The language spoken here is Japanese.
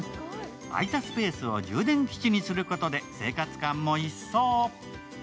空いたスペースを充電基地にすることで生活感も一掃！